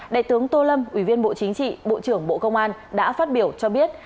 đại tướng tô lâm ủy viên bộ chính trị bộ trưởng bộ công an đã phát biểu cho biết